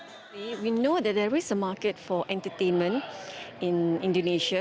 kami tahu bahwa ada pasar untuk persembahan di indonesia